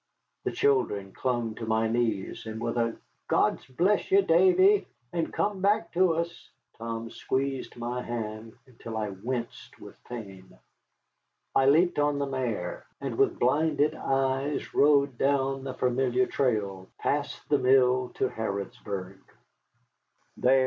The children clung to my knees; and with a "God bless ye, Davy, and come back to us," Tom squeezed my hand until I winced with pain. I leaped on the mare, and with blinded eyes rode down the familiar trail, past the mill, to Harrodsburg.